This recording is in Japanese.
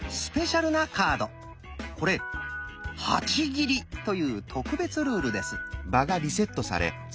これ「８切り」という特別ルールです。